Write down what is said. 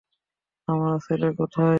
আমার ছেলে কোথায়?